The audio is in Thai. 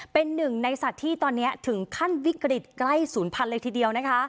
เป็นหนึ่งในสัตว์ที่ตอนนี้ถึงขั้นวิกฤตใกล้๐๐๐๐เลยทีเดียว